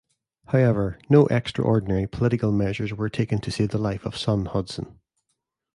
However, no extraordinary political measures were taken to save the life of Sun Hudson.